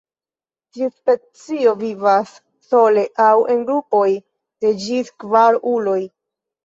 Tiu specio vivas sole aŭ en grupoj de ĝis kvar uloj.